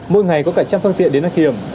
mỗi ngày có cả trăm phương tiện đến đăng kiểm